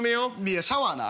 いやシャワーな。